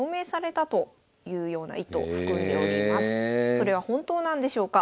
それは本当なんでしょうか？